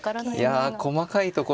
いや細かいところですね。